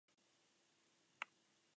Haiek karga betekin erantzun diete erasooi.